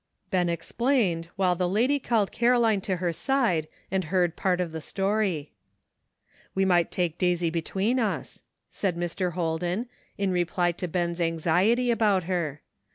" Ben explained, while the lady called Caroline to her side and heard part of the story. "We might take Daisy between us," said Mr. Holden, in reply to Ben's anxiety about her.